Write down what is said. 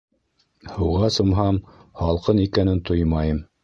Һыуға сумһам — һалҡын икәнен тоймайым.